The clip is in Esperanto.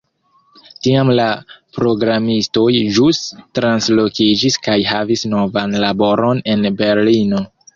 Tiam la programistoj ĵus translokiĝis kaj havis novan laboron en Berlino.